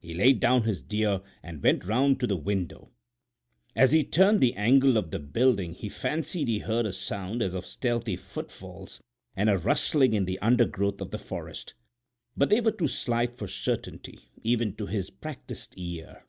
He laid down his deer and went round to the window. As he turned the angle of the building he fancied he heard a sound as of stealthy footfalls and a rustling in the undergrowth of the forest, but they were too slight for certainty, even to his practised ear.